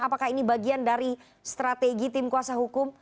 apakah ini bagian dari strategi tim kuasa hukum